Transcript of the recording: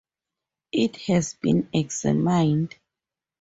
It has been examined.